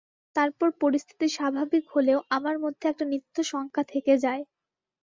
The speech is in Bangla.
তারপর পরিস্থিতি স্বাভাবিক হলেও আমার মধ্যে একটা নিত্য শঙ্কা থেকে যায়।